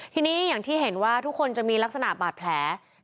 ทีนี้อย่างที่เห็นว่าทุกคนจะมีลักษณะบาดแผล